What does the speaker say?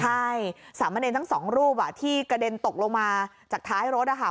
ใช่สามเณรทั้งสองรูปที่กระเด็นตกลงมาจากท้ายรถนะคะ